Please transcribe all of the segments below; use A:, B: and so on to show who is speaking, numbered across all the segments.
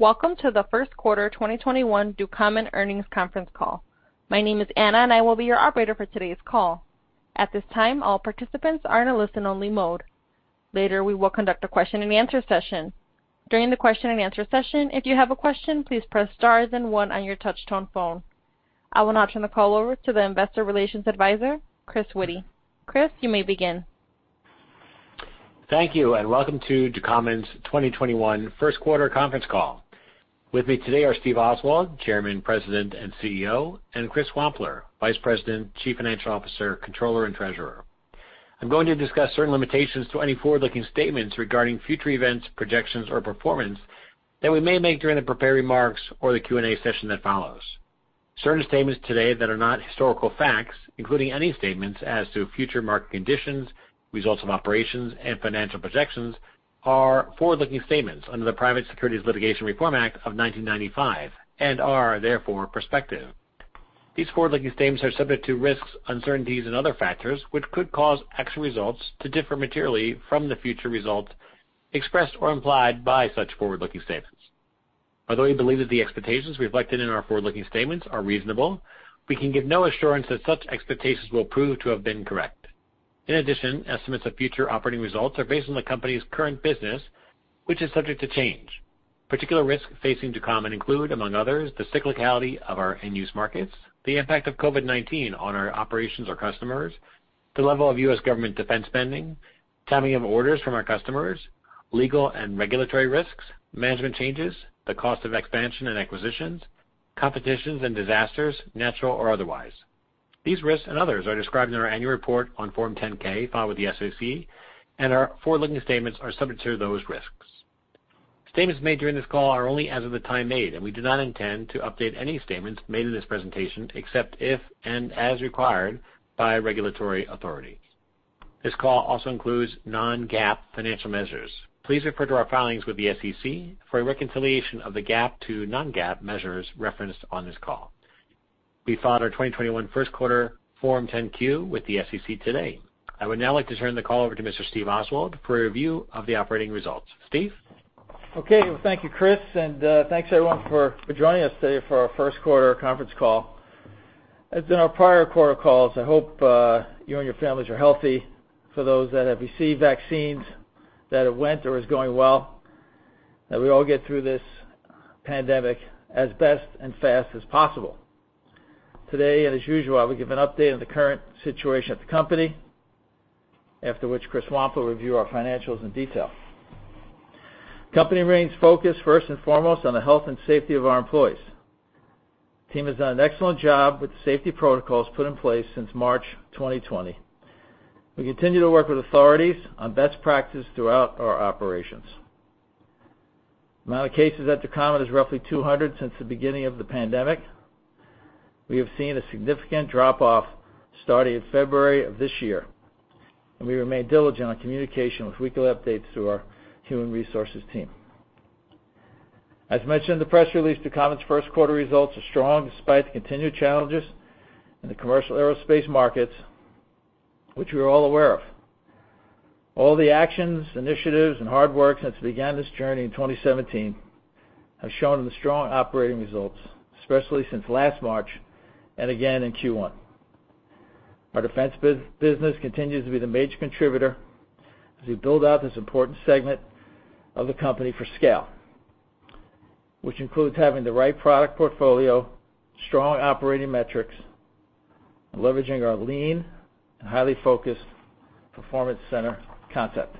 A: Welcome to the first quarter 2021 Ducommun earnings conference call. My name is Anna, and I will be your operator for today's call. At this time, all participants are in a listen-only mode. Later, we will conduct a question-and-answer session. During the question and answer session, if you have a question, please press star then one on your touch-tone phone. I will now turn the call over to the investor relations advisor, Chris Witty. Chris, you may begin.
B: Thank you, and welcome to Ducommun's 2021 first-quarter conference call. With me today are Steve Oswald, Chairman, President, and CEO, and Chris Wampler, Vice President, Chief Financial Officer, Controller, and Treasurer. I'm going to discuss certain limitations to any forward-looking statements regarding future events, projections, or performance that we may make during the prepared remarks or the Q&A session that follows. Certain statements today that are not historical facts, including any statements as to future market conditions, results of operations, and financial projections, are forward-looking statements under the Private Securities Litigation Reform Act of 1995 and are therefore prospective. These forward-looking statements are subject to risks, uncertainties and other factors, which could cause actual results to differ materially from the future results expressed or implied by such forward-looking statements. Although we believe that the expectations reflected in our forward-looking statements are reasonable, we can give no assurance that such expectations will prove to have been correct. In addition, estimates of future operating results are based on the company's current business, which is subject to change. Particular risks facing Ducommun include, among others, the cyclicality of our end-use markets, the impact of COVID-19 on our operations or customers, the level of U.S. government defense spending, timing of orders from our customers, legal and regulatory risks, management changes, the cost of expansion and acquisitions, competitions and disasters, natural or otherwise. These risks and others are described in our annual report on Form 10-K filed with the SEC, and our forward-looking statements are subject to those risks. Statements made during this call are only as of the time made, and we do not intend to update any statements made in this presentation, except if and as required by regulatory authority. This call also includes non-GAAP financial measures. Please refer to our filings with the SEC for a reconciliation of the GAAP to non-GAAP measures referenced on this call. We filed our 2021 first-quarter Form 10-Q with the SEC today. I would now like to turn the call over to Mr. Steve Oswald for a review of the operating results. Steve?
C: Okay. Well, thank you, Chris, and thanks, everyone, for joining us today for our first quarter conference call. As in our prior quarter calls, I hope you and your families are healthy. For those that have received vaccines, that it went or is going well, that we all get through this pandemic as best and fast as possible. Today, as usual, I will give an update on the current situation at the company, after which Chris Wampler will review our financials in detail. The company remains focused first and foremost on the health and safety of our employees. The team has done an excellent job with the safety protocols put in place since March 2020. We continue to work with authorities on best practice throughout our operations. The amount of cases at Ducommun is roughly 200 since the beginning of the pandemic. We have seen a significant drop-off starting February of this year, and we remain diligent on communication with weekly updates through our human resources team. As mentioned in the press release, Ducommun's first-quarter results are strong despite the continued challenges in the commercial aerospace markets, which we are all aware of. All the actions, initiatives, and hard work since we began this journey in 2017 have shown in the strong operating results, especially since last March and again in Q1. Our defense business continues to be the major contributor as we build out this important segment of the company for scale, which includes having the right product portfolio, strong operating metrics, and leveraging our lean and highly focused performance center concept.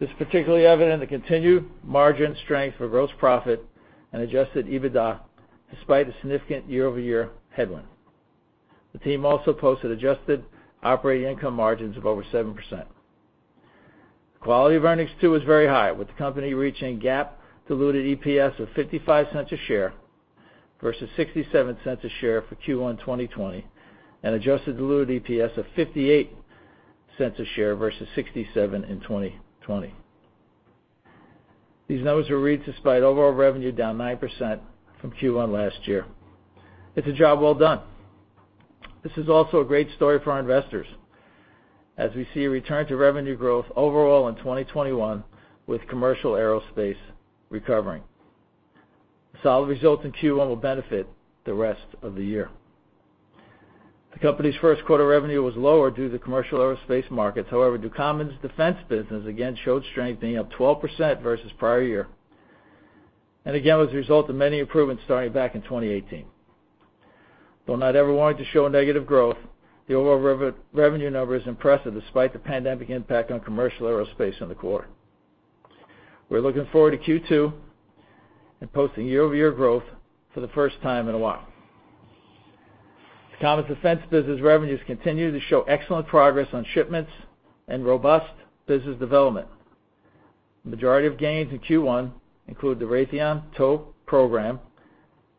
C: This is particularly evident in the continued margin strength of gross profit and adjusted EBITDA, despite a significant year-over-year headwind. The team also posted adjusted operating income margins of over 7%. The quality of earnings too was very high, with the company reaching GAAP diluted EPS of $0.55 a share versus $0.67 a share for Q1 2020, and adjusted diluted EPS of $0.58 a share versus $0.67 in 2020. These numbers were reached despite overall revenue down 9% from Q1 last year. It's a job well done. This is also a great story for our investors as we see a return to revenue growth overall in 2021 with commercial aerospace recovering. Solid results in Q1 will benefit the rest of the year. The company's first-quarter revenue was lower due to the commercial aerospace markets. Ducommun's defense business again showed strength, being up 12% versus prior year. Again, was a result of many improvements starting back in 2018. Though not ever wanting to show a negative growth, the overall revenue number is impressive despite the pandemic impact on commercial aerospace in the quarter. We're looking forward to Q2 and posting year-over-year growth for the first time in a while. Ducommun's defense business revenues continue to show excellent progress on shipments and robust business development. Majority of gains in Q1 include the Raytheon TOW program,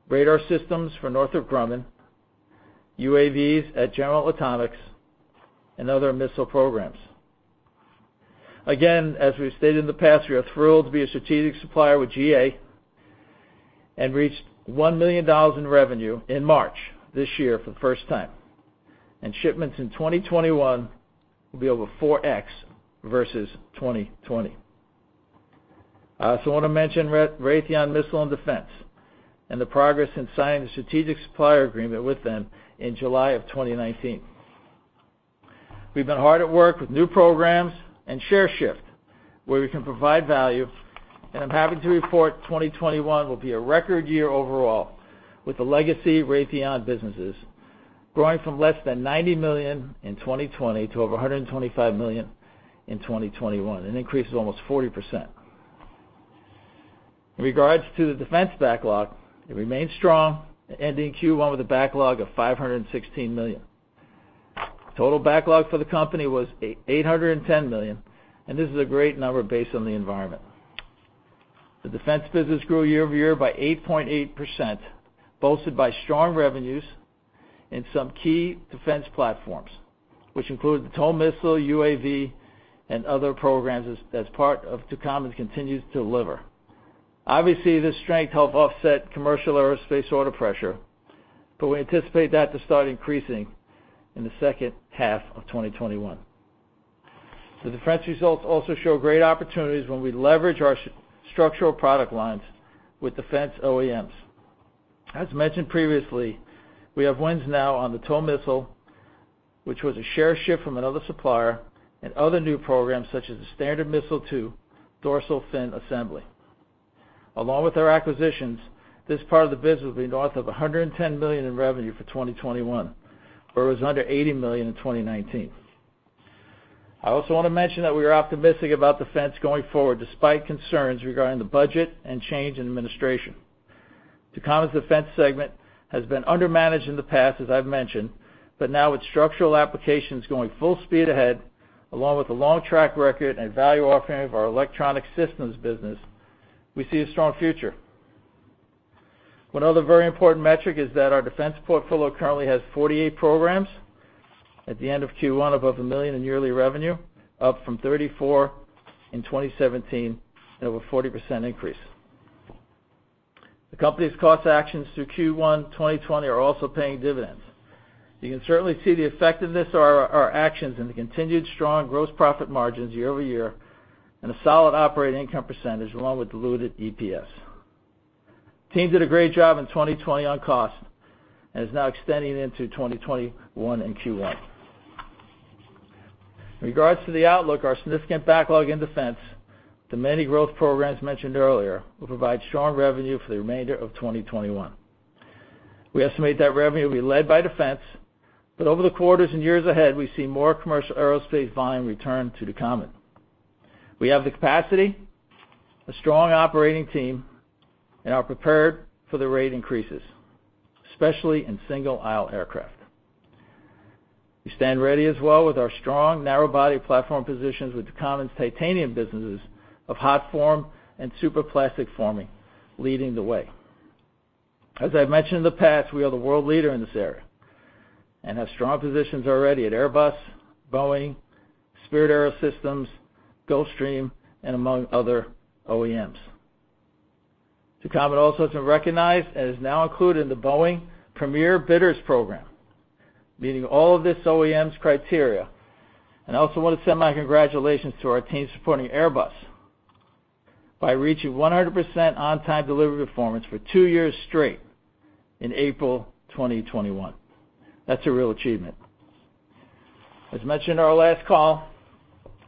C: radar systems for Northrop Grumman, UAVs at General Atomics, and other missile programs. Again, as we've stated in the past, we are thrilled to be a strategic supplier with GA and reached $1 million in revenue in March this year for the first time. Shipments in 2021 will be over 4x versus 2020. I also want to mention Raytheon Missiles & Defense and the progress in signing the strategic supplier agreement with them in July of 2019. We've been hard at work with new programs and share shift, where we can provide value. I'm happy to report 2021 will be a record year overall with the legacy Raytheon businesses, growing from less than $90 million in 2020 to over $125 million in 2021, an increase of almost 40%. In regards to the defense backlog, it remains strong, ending Q1 with a backlog of $516 million. Total backlog for the company was $810 million. This is a great number based on the environment. The defense business grew year-over-year by 8.8%, bolstered by strong revenues in some key defense platforms, which include the TOW Missile, UAV, and other programs as part of Ducommun continues to deliver. Obviously, this strength helped offset commercial aerospace order pressure. We anticipate that to start increasing in the second half of 2021. The defense results also show great opportunities when we leverage our structural product lines with defense OEMs. As mentioned previously, we have wins now on the TOW Missile, which was a share shift from another supplier, and other new programs such as the Standard Missile-2 dorsal fin assembly. Along with our acquisitions, this part of the business will be north of $110 million in revenue for 2021, where it was under $80 million in 2019. I also want to mention that we are optimistic about defense going forward, despite concerns regarding the budget and change in administration. Ducommun's defense segment has been undermanaged in the past, as I've mentioned, but now with structural applications going full speed ahead, along with the long track record and value offering of our Electronic Systems business, we see a strong future. One other very important metric is that our defense portfolio currently has 48 programs at the end of Q1 above $1 million in yearly revenue, up from 34 in 2017 and over 40% increase. The company's cost actions through Q1 2020 are also paying dividends. You can certainly see the effectiveness of our actions in the continued strong gross profit margins year-over-year and a solid operating income percentage, along with diluted EPS. Team did a great job in 2020 on cost and is now extending into 2021 in Q1. In regards to the outlook, our significant backlog in defense, the many growth programs mentioned earlier will provide strong revenue for the remainder of 2021. We estimate that revenue will be led by defense, but over the quarters and years ahead, we see more commercial aerospace volume return to Ducommun. We have the capacity, a strong operating team, and are prepared for the rate increases, especially in single-aisle aircraft. We stand ready as well with our strong narrow-body platform positions with Ducommun's titanium businesses of hot forming and superplastic forming leading the way. As I've mentioned in the past, we are the world leader in this area and have strong positions already at Airbus, Boeing, Spirit AeroSystems, Gulfstream, and among other OEMs. Ducommun also has been recognized and is now included in the Boeing Premier Bidder Program, meeting all of this OEM's criteria. I also want to send my congratulations to our team supporting Airbus by reaching 100% on-time delivery performance for two years straight in April 2021. That's a real achievement. As mentioned in our last call,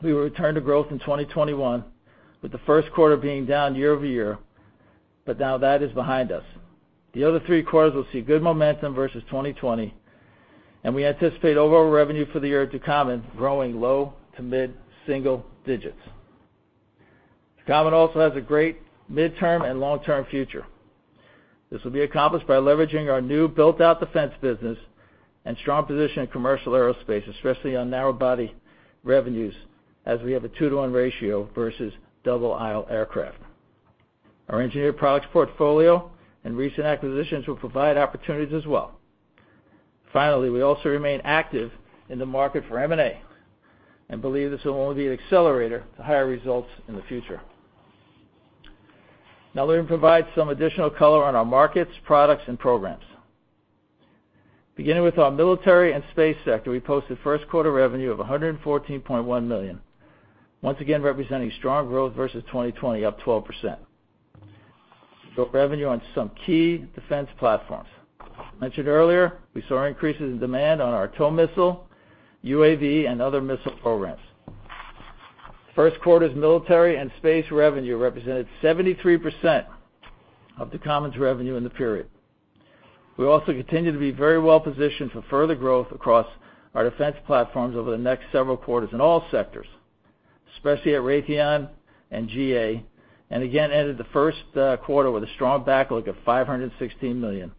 C: we will return to growth in 2021, with the first quarter being down year-over-year, but now that is behind us. The other three quarters will see good momentum versus 2020, and we anticipate overall revenue for the year at Ducommun growing low to mid-single digits. Ducommun also has a great midterm and long-term future. This will be accomplished by leveraging our new built-out defense business and strong position in commercial aerospace, especially on narrow-body revenues, as we have a 2:1 ratio versus double-aisle aircraft. Our engineered products portfolio and recent acquisitions will provide opportunities as well. Finally, we also remain active in the market for M&A and believe this will only be an accelerator to higher results in the future. Now let me provide some additional color on our markets, products, and programs. Beginning with our military and space sector, we posted first-quarter revenue of $114.1 million. Once again, representing strong growth versus 2020, up 12%. We built revenue on some key defense platforms. Mentioned earlier, we saw increases in demand on our TOW Missile, UAV, and other missile programs. First quarter's military and space revenue represented 73% of Ducommun's revenue in the period. We also continue to be very well-positioned for further growth across our defense platforms over the next several quarters in all sectors, especially at Raytheon and GA, and again, ended the first quarter with a strong backlog of $516 million,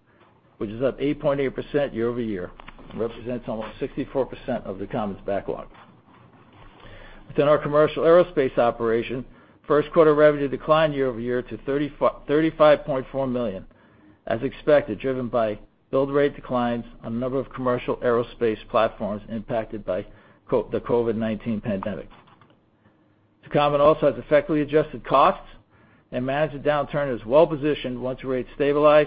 C: which is up 8.8% year-over-year and represents almost 64% of Ducommun's backlog. Within our commercial aerospace operation, first-quarter revenue declined year-over-year to $35.4 million, as expected, driven by build rate declines on a number of commercial aerospace platforms impacted by the COVID-19 pandemic. Ducommun also has effectively adjusted costs and managed the downturn as well-positioned once rates stabilize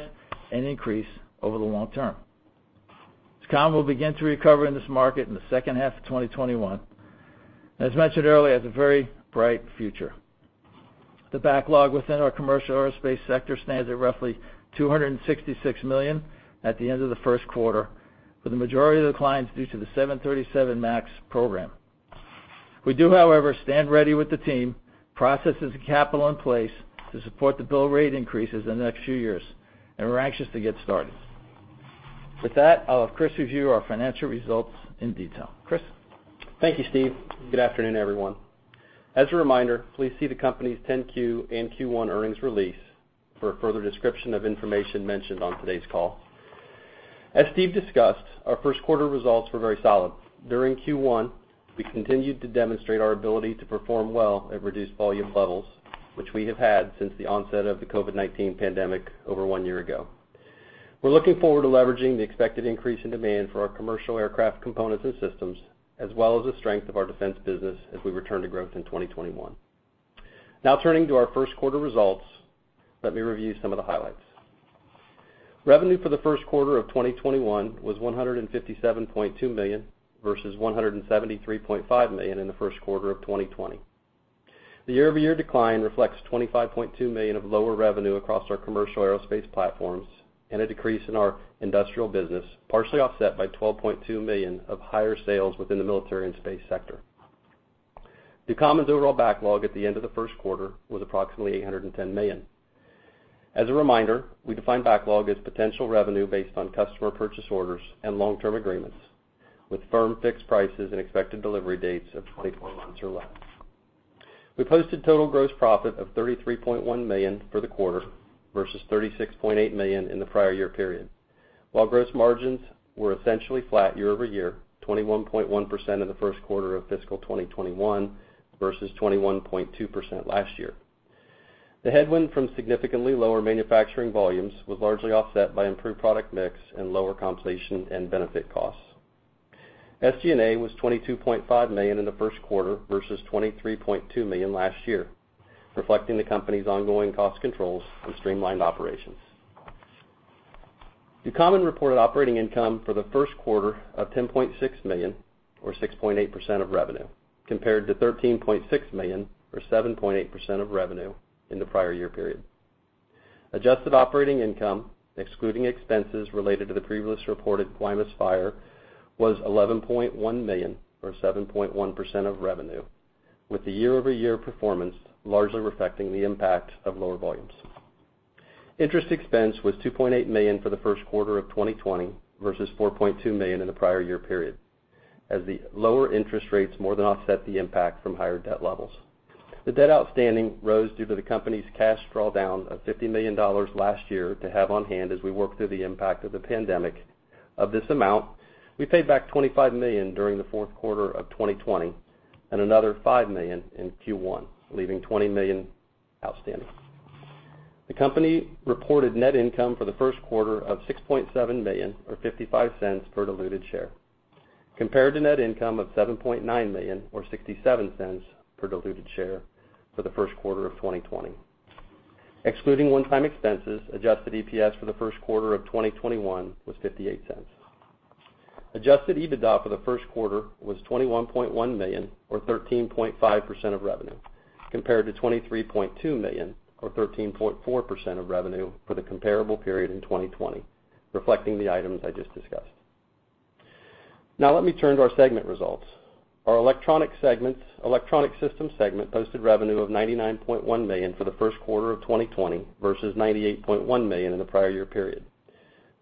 C: and increase over the long term. Ducommun will begin to recover in this market in the second half of 2021, and as mentioned earlier, has a very bright future. The backlog within our commercial aerospace sector stands at roughly $266 million at the end of the first quarter, with the majority of the declines due to the 737 MAX program. We do, however, stand ready with the team, processes, and capital in place to support the build rate increases in the next few years, and we're anxious to get started. With that, I'll have Chris review our financial results in detail. Chris?
D: Thank you, Steve. Good afternoon, everyone. As a reminder, please see the company's 10-Q and Q1 earnings release for a further description of information mentioned on today's call. As Steve discussed, our first quarter results were very solid. During Q1, we continued to demonstrate our ability to perform well at reduced volume levels, which we have had since the onset of the COVID-19 pandemic over one year ago. We're looking forward to leveraging the expected increase in demand for our commercial aircraft components and systems, as well as the strength of our defense business as we return to growth in 2021. Now turning to our first quarter results, let me review some of the highlights. Revenue for the first quarter of 2021 was $157.2 million, versus $173.5 million in the first quarter of 2020. The year-over-year decline reflects $25.2 million of lower revenue across our commercial aerospace platforms and a decrease in our industrial business, partially offset by $12.2 million of higher sales within the military and space sector. Ducommun's overall backlog at the end of the first quarter was approximately $810 million. As a reminder, we define backlog as potential revenue based on customer purchase orders and long-term agreements, with firm fixed prices and expected delivery dates of 24 months or less. We posted total gross profit of $33.1 million for the quarter versus $36.8 million in the prior year period. While gross margins were essentially flat year-over-year, 21.1% in the first quarter of fiscal 2021 versus 21.2% last year. The headwind from significantly lower manufacturing volumes was largely offset by improved product mix and lower compensation and benefit costs. SG&A was $22.5 million in the first quarter versus $23.2 million last year, reflecting the company's ongoing cost controls and streamlined operations. Ducommun reported operating income for the first quarter of $10.6 million, or 6.8% of revenue, compared to $13.6 million, or 7.8% of revenue in the prior year period. Adjusted operating income, excluding expenses related to the previously reported Guaymas fire, was $11.1 million or 7.1% of revenue, with the year-over-year performance largely reflecting the impact of lower volumes. Interest expense was $2.8 million for the first quarter of 2020 versus $4.2 million in the prior year period, as the lower interest rates more than offset the impact from higher debt levels. The debt outstanding rose due to the company's cash draw down of $50 million last year to have on hand as we work through the impact of the pandemic. Of this amount, we paid back $25 million during the fourth quarter of 2020, and another $5 million in Q1, leaving $20 million outstanding. The company reported net income for the first quarter of $6.7 million, or $0.55 per diluted share, compared to net income of $7.9 million or $0.67 per diluted share for the first quarter of 2020. Excluding one-time expenses, adjusted EPS for the first quarter of 2021 was $0.58. Adjusted EBITDA for the first quarter was $21.1 million or 13.5% of revenue, compared to $23.2 million or 13.4% of revenue for the comparable period in 2020, reflecting the items I just discussed. Let me turn to our segment results. Our Electronic Systems segment posted revenue of $99.1 million for the first quarter of 2020 versus $98.1 million in the prior year period.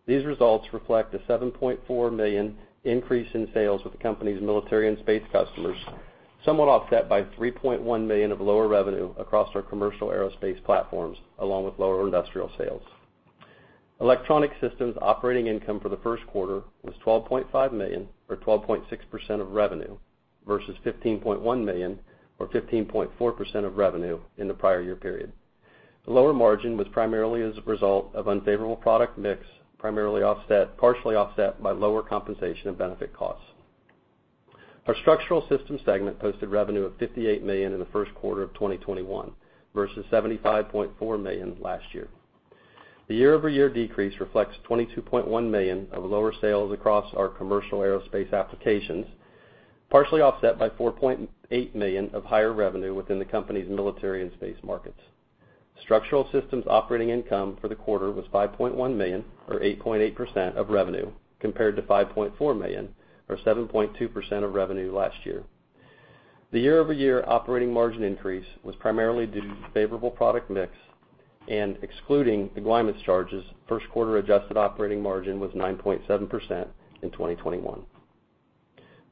D: These results reflect a $7.4 million increase in sales with the company's military and space customers, somewhat offset by $3.1 million of lower revenue across our commercial aerospace platforms, along with lower industrial sales. Electronic Systems operating income for the first quarter was $12.5 million or 12.6% of revenue versus $15.1 million or 15.4% of revenue in the prior year period. The lower margin was primarily as a result of unfavorable product mix, partially offset by lower compensation and benefit costs. Our Structural Systems segment posted revenue of $58 million in the first quarter of 2021 versus $75.4 million last year. The year-over-year decrease reflects $22.1 million of lower sales across our commercial aerospace applications, partially offset by $4.8 million of higher revenue within the company's military and space markets. Structural Systems operating income for the quarter was $5.1 million or 8.8% of revenue compared to $5.4 million or 7.2% of revenue last year. The year-over-year operating margin increase was primarily due to favorable product mix and excluding the Guaymas charges, first quarter adjusted operating margin was 9.7% in 2021.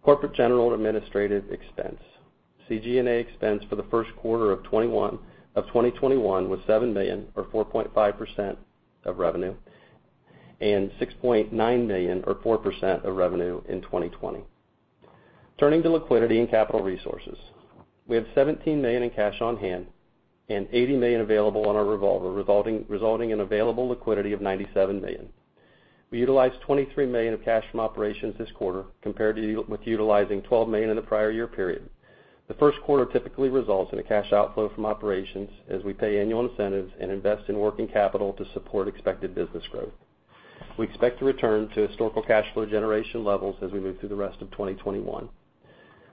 D: Corporate general and administrative expense. CG&A expense for the first quarter of 2021 was $7 million or 4.5% of revenue and $6.9 million or 4% of revenue in 2020. Turning to liquidity and capital resources. We have $17 million in cash on hand and $80 million available on our revolver, resulting in available liquidity of $97 million. We utilized $23 million of cash from operations this quarter, compared with utilizing $12 million in the prior year period. The first quarter typically results in a cash outflow from operations as we pay annual incentives and invest in working capital to support expected business growth. We expect to return to historical cash flow generation levels as we move through the rest of 2021.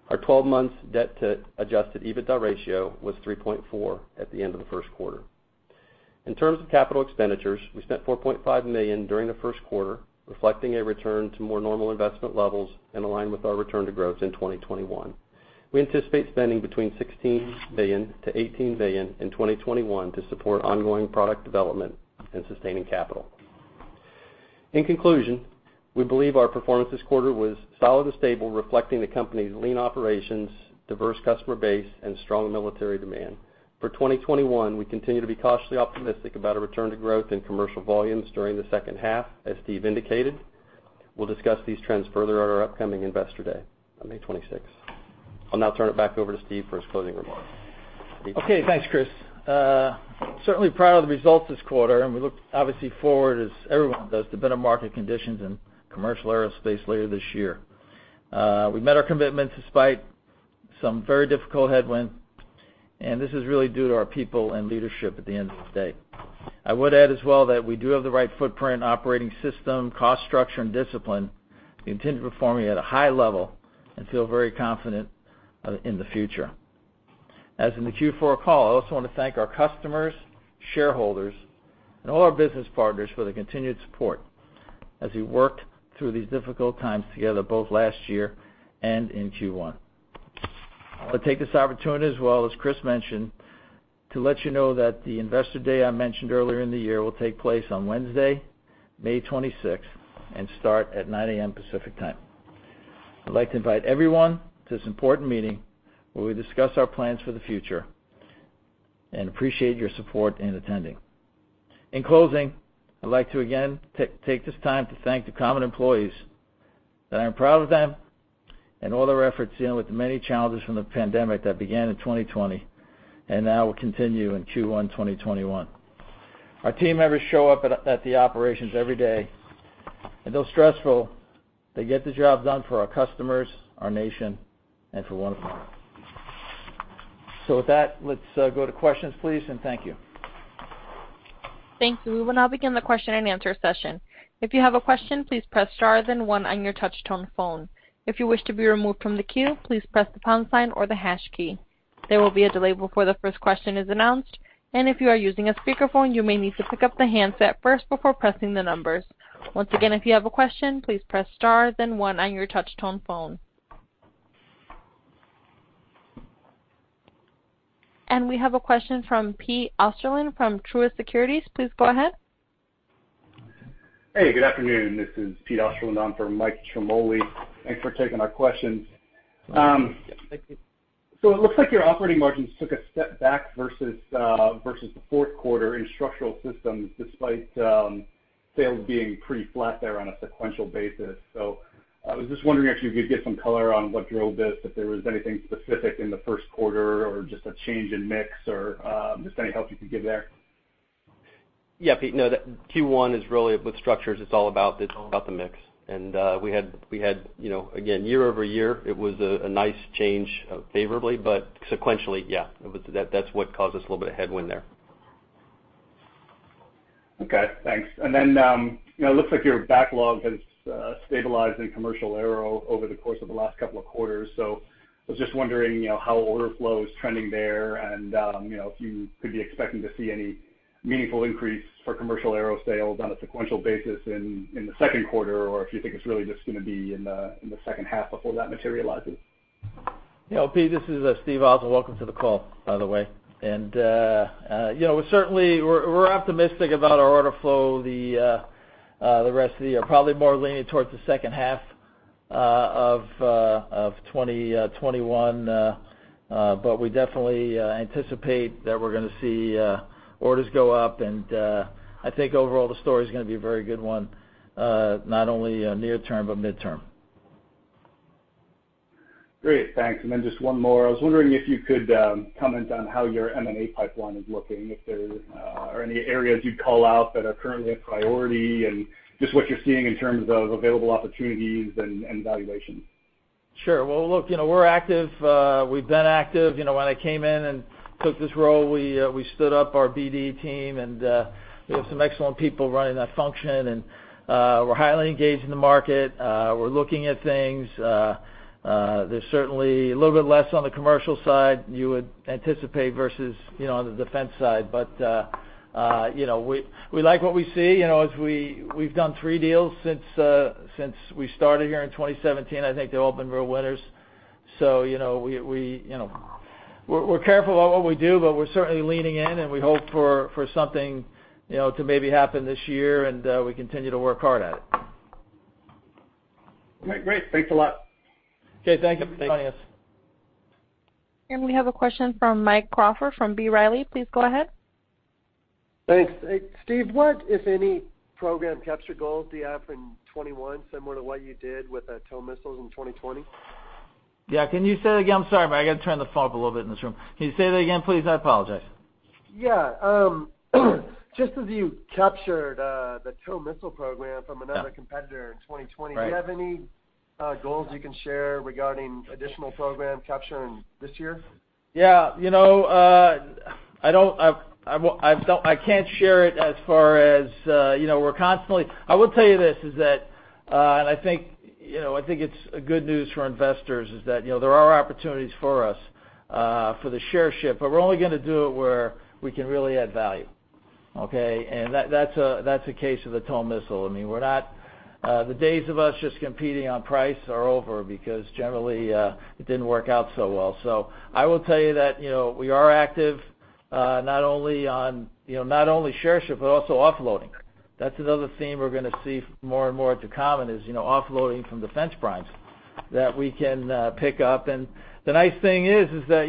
D: Our 12-month debt-to-adjusted EBITDA ratio was 3.4 at the end of the first quarter. In terms of capital expenditures, we spent $4.5 million during the first quarter, reflecting a return to more normal investment levels and aligned with our return to growth in 2021. We anticipate spending between $16 million-$18 million in 2021 to support ongoing product development and sustaining capital. In conclusion, we believe our performance this quarter was solid and stable, reflecting the company's lean operations, diverse customer base, and strong military demand. For 2021, we continue to be cautiously optimistic about a return to growth in commercial volumes during the second half, as Steve indicated. We'll discuss these trends further at our upcoming Investor Day on May 26th. I'll now turn it back over to Steve for his closing remarks. Steve?
C: Okay. Thanks, Chris. Certainly proud of the results this quarter, and we look, obviously, forward, as everyone does, to better market conditions in commercial aerospace later this year. We met our commitments despite some very difficult headwinds, and this is really due to our people and leadership at the end of the day. I would add as well that we do have the right footprint, operating system, cost structure, and discipline to continue performing at a high level and feel very confident in the future. As in the Q4 call, I also want to thank our customers, shareholders, and all our business partners for their continued support as we worked through these difficult times together, both last year and in Q1. I want to take this opportunity as well, as Chris mentioned, to let you know that the Investor Day I mentioned earlier in the year will take place on Wednesday, May 26th, and start at 9:00 A.M. Pacific Time. I'd like to invite everyone to this important meeting, where we discuss our plans for the future, and appreciate your support in attending. In closing, I'd like to, again, take this time to thank the Ducommun employees, that I am proud of them and all their efforts dealing with the many challenges from the pandemic that began in 2020, and now will continue in Q1 2021. Our team members show up at the operations every day, and though stressful, they get the job done for our customers, our nation, and for one another. With that, let's go to questions, please, and thank you.
A: Thanks. We will now begin the question-and-answer session. If you have a question, please press star then one on your touch-tone phone. If you wish to be removed from the queue, please press the pound sign or the hash key. There will be a delay before the first question is announced, and if you are using a speakerphone, you may need to pick up the handset first before pressing the numbers. Once again, if you have a question, please press star then one on your touch-tone phone. We have a question from Pete Osterland from Truist Securities. Please go ahead.
E: Hey, good afternoon. This is Pete Osterland, on for Michael Ciarmoli. Thanks for taking our questions.
C: Yes, thank you.
E: It looks like your operating margins took a step back versus the fourth quarter in Structural Systems, despite sales being pretty flat there on a sequential basis. I was just wondering if you could give some color on what drove this, if there was anything specific in the first quarter, or just a change in mix or just any help you could give there?
D: Yeah, Pete. No, Q1 with Structures, it's all about the mix. We had, again, year-over-year, it was a nice change favorably, but sequentially, yeah, that's what caused us a little bit of headwind there.
E: Okay. Thanks. It looks like your backlog has stabilized in commercial aero over the course of the last couple of quarters. I was just wondering how order flow is trending there and if you could be expecting to see any meaningful increase for commercial aero sales on a sequential basis in the second quarter, or if you think it's really just going to be in the second half before that materializes.
C: Yeah. Well, Pete, this is Steve Oswald. Welcome to the call, by the way. We're optimistic about our order flow the rest of the year. Probably more leaning towards the second half of 2021. We definitely anticipate that we're going to see orders go up. I think overall the story's going to be a very good one, not only near term, but midterm.
E: Great. Thanks. Just one more. I was wondering if you could comment on how your M&A pipeline is looking. If there are any areas you'd call out that are currently a priority, and just what you're seeing in terms of available opportunities and valuations.
C: Sure. Well, look, we're active. We've been active. When I came in and took this role, we stood up our BD team, and we have some excellent people running that function. We're highly engaged in the market. We're looking at things. There's certainly a little bit less on the commercial side you would anticipate versus on the defense side. We like what we see. We've done three deals since we started here in 2017. I think they've all been real winners. We're careful about what we do, but we're certainly leaning in, and we hope for something to maybe happen this year, and we continue to work hard at it.
E: All right. Great. Thanks a lot.
C: Okay, thank you for joining us.
A: We have a question from Mike Crawford from B. Riley. Please go ahead.
F: Thanks. Hey, Steve, what, if any, program capture goals do you have in 2021 similar to what you did with TOW Missiles in 2020?
C: Yeah. Can you say that again? I'm sorry, but I got to turn the phone up a little bit in this room. Can you say that again, please? I apologize.
F: Yeah. Just as you captured the TOW Missile program from another competitor in 2020-
C: Right.
F: -do you have any goals you can share regarding additional program capturing this year?
C: Yeah. I can't share it as far as we're constantly- I will tell you this, is that, and I think it's a good news for investors, is that there are opportunities for us, for the share shift, but we're only going to do it where we can really add value. Okay? And that's a case of the TOW Missile. The days of us just competing on price are over, because generally, it didn't work out so well. I will tell you that we are active, not only on share shift, but also offloading. That's another theme we're going to see more and more at Ducommun, is offloading from defense primes that we can pick up. The nice thing is that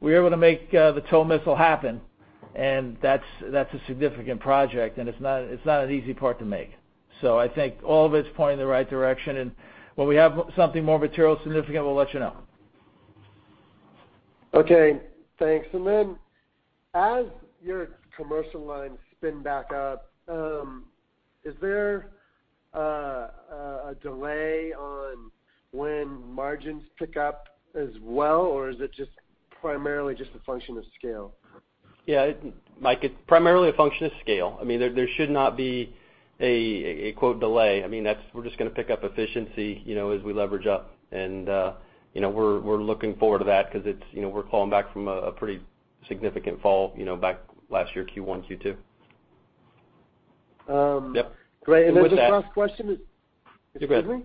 C: we were able to make the TOW Missile happen, and that's a significant project, and it's not an easy part to make. I think all of it's pointing in the right direction, and when we have something more material significant, we'll let you know.
F: Okay, thanks. As your commercial lines spin back up, is there a delay on when margins pick up as well, or is it just primarily just a function of scale?
D: Yeah. Mike, it's primarily a function of scale. There should not be a delay. We're just going to pick up efficiency as we leverage up. We're looking forward to that because we're crawling back from a pretty significant fall back last year, Q1, Q2.
F: Great. Then just the last question.
D: Go ahead.
F: Excuse me?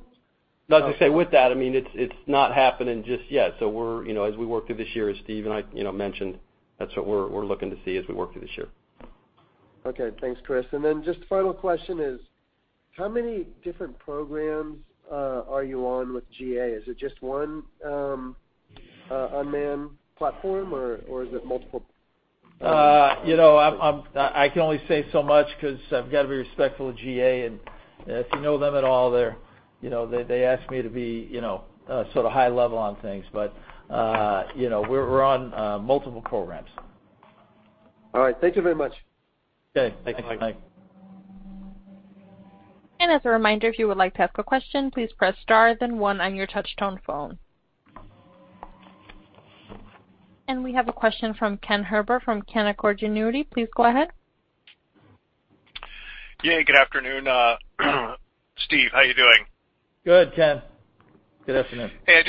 D: I was going to say, with that, it's not happening just yet. As we work through this year, as Steve and I mentioned, that's what we're looking to see as we work through this year.
F: Okay. Thanks, Chris. Just the final question is, how many different programs are you on with GA? Is it just one unmanned platform, or is it multiple?
C: I can only say so much because I've got to be respectful of GA. If you know them at all, they ask me to be sort of high-level on things. We're on multiple programs.
F: All right. Thank you very much.
D: Okay. Thank you, Mike.
C: Thanks.
A: As a reminder, if you would like to ask a question, please press star, then one on your touch-tone phone. We have a question from Ken Herbert from Canaccord Genuity. Please go ahead.
G: Yeah, good afternoon. Steve, how you doing?
C: Good, Ken. Good afternoon.
G: Hey,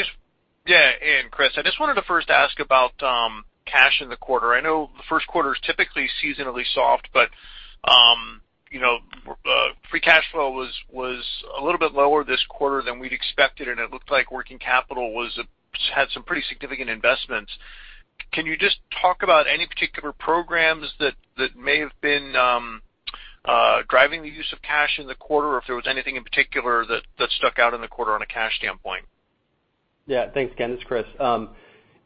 G: Chris. I just wanted to first ask about cash in the quarter. I know the first quarter is typically seasonally soft, but free cash flow was a little bit lower this quarter than we'd expected, and it looked like working capital had some pretty significant investments. Can you just talk about any particular programs that may have been driving the use of cash in the quarter, or if there was anything in particular that stuck out in the quarter on a cash standpoint?
D: Yeah. Thanks, Ken. It's Chris.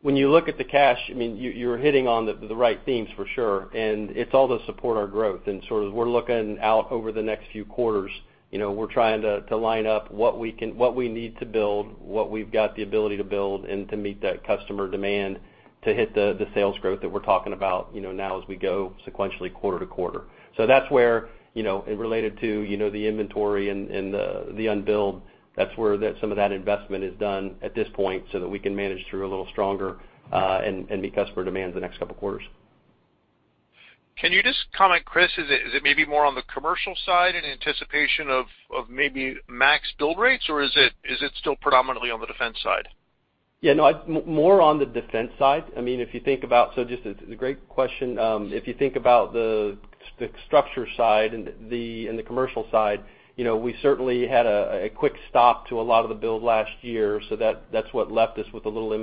D: When you look at the cash, you're hitting on the right themes, for sure, and it's all to support our growth. As we're looking out over the next few quarters, we're trying to line up what we need to build, what we've got the ability to build, and to meet that customer demand to hit the sales growth that we're talking about now as we go sequentially quarter to quarter. That's where, and related to the inventory and the unbilled, that's where some of that investment is done at this point, so that we can manage through a little stronger, and meet customer demands the next couple of quarters.
G: Can you just comment, Chris, is it maybe more on the commercial side in anticipation of maybe MAX build rates, or is it still predominantly on the defense side?
D: Yeah, no, more on the defense side. It's a great question. If you think about the structure side and the commercial side, we certainly had a quick stop to a lot of the build last year, so that's what left us with more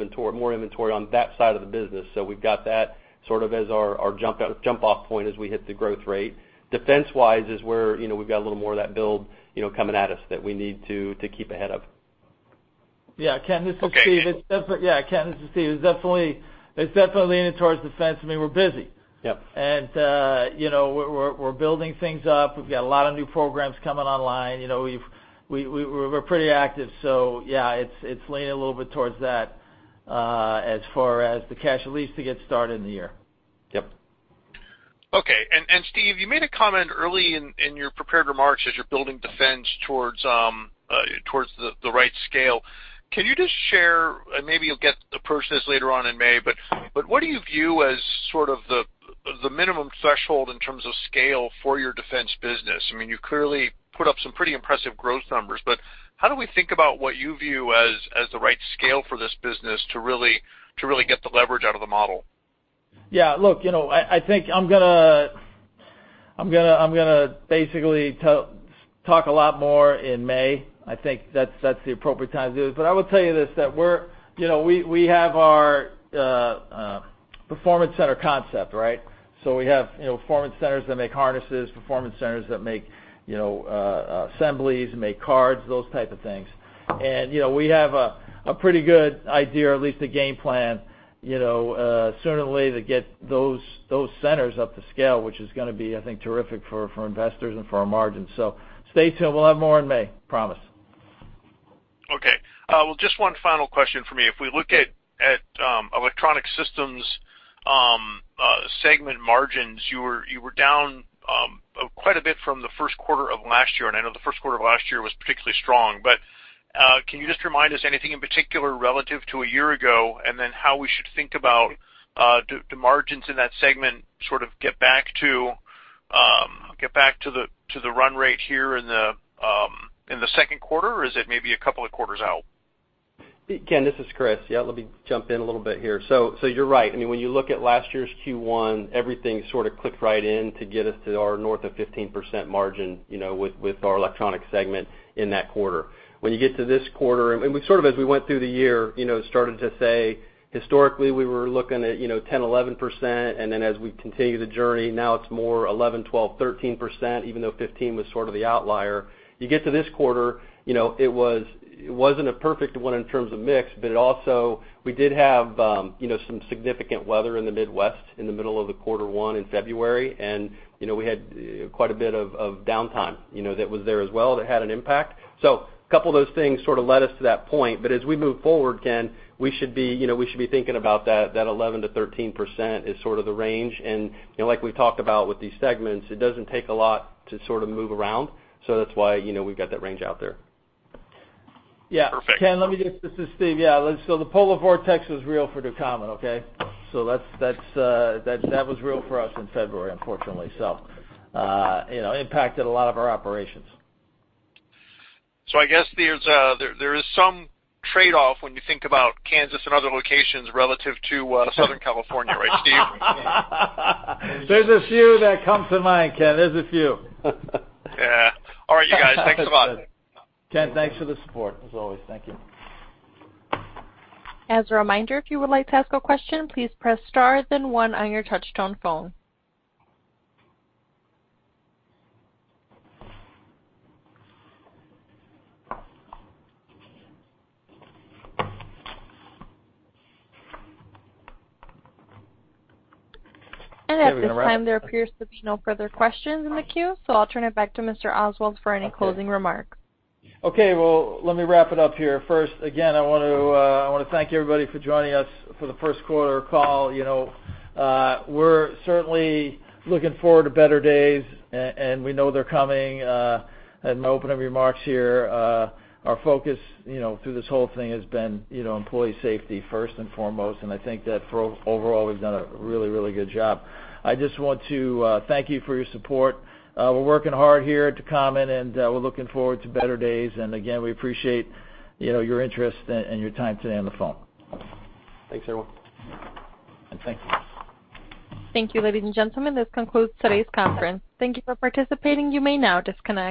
D: inventory on that side of the business. We've got that sort of as our jump-off point as we hit the growth rate. Defense wise is where we've got a little more of that build coming at us that we need to keep ahead of.
C: Yeah. Ken, this is Steve.
G: Okay.
C: Yeah. Ken, this is Steve. It's definitely leaning towards defense. We're busy.
D: Yep.
C: We're building things up. We've got a lot of new programs coming online. We're pretty active. Yeah, it's leaning a little bit towards that, as far as the cash, at least, to get started in the year.
D: Yep.
G: Okay. Steve, you made a comment early in your prepared remarks as you're building defense towards the right scale. Can you just share, and maybe you'll get to approach this later on in May, what do you view as sort of the minimum threshold in terms of scale for your defense business? You've clearly put up some pretty impressive growth numbers, how do we think about what you view as the right scale for this business to really get the leverage out of the model?
C: Look, I think I'm going to basically talk a lot more in May. I think that's the appropriate time to do this. I will tell you this, that we have our performance center concept, right? We have performance centers that make harnesses, performance centers that make assemblies, make cards, those type of things. We have a pretty good idea, or at least a game plan, certainly to get those centers up to scale, which is going to be, I think, terrific for investors and for our margins. Stay tuned. We'll have more in May. Promise.
G: Okay. Well, just one final question for me. If we look at Electronic Systems segment margins, you were down quite a bit from the first quarter of last year, and I know the first quarter of last year was particularly strong. Can you just remind us anything in particular relative to a year ago, and then how we should think about the margins in that segment sort of get back to the run rate here in the second quarter? Is it maybe a couple of quarters out?
D: Ken, this is Chris. Yeah, let me jump in a little bit here. You're right. When you look at last year's Q1, everything sort of clicked right in to get us to our north of 15% margin with our Electronic Systems segment in that quarter. When you get to this quarter, and sort of as we went through the year, started to say historically we were looking at 10%, 11%, and then as we continue the journey, now it's more 11%, 12%, 13%, even though 15% was sort of the outlier. You get to this quarter, it wasn't a perfect one in terms of mix, but it also, we did have some significant weather in the Midwest in the middle of Q1 in February, and we had quite a bit of downtime that was there as well, that had an impact. A couple of those things sort of led us to that point. As we move forward, Ken, we should be thinking about that 11%-13% is sort of the range. Like we talked about with these segments, it doesn't take a lot to sort of move around. That's why we've got that range out there.
G: Perfect.
C: Ken, this is Steve. Yeah, the polar vortex was real for Ducommun, okay? That was real for us in February, unfortunately, so impacted a lot of our operations.
G: I guess there is some trade-off when you think about Kansas and other locations relative to Southern California, right, Steve?
C: There's a few that come to mind, Ken. There's a few.
G: Yeah. All right, you guys. Thanks a lot.
C: Ken, thanks for the support, as always. Thank you.
A: As a reminder, if you would like to ask a question, please press star then one on your touch-tone phone. At this time, there appears to be no further questions in the queue, so I'll turn it back to Mr. Oswald for any closing remarks.
C: Okay. Well, let me wrap it up here. First, again, I want to thank everybody for joining us for the first quarter call. We're certainly looking forward to better days, and we know they're coming. In my opening remarks here, our focus through this whole thing has been employee safety first and foremost, and I think that overall, we've done a really, really good job. I just want to thank you for your support. We're working hard here at Ducommun, and we're looking forward to better days. Again, we appreciate your interest and your time today on the phone.
D: Thanks, everyone.
C: Thank you.
A: Thank you, ladies and gentlemen. This concludes today's conference. Thank you for participating. You may now disconnect.